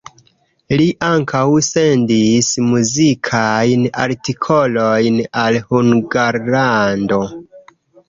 Li ankaŭ sendis muzikajn artikolojn al Hungarlando.